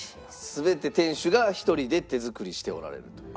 全て店主が１人で手作りしておられるという。